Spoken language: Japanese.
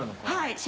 はい。